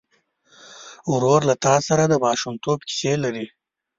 ورور له تا سره د ماشومتوب کیسې لري.